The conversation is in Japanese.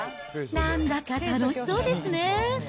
なんだか楽しそうですね。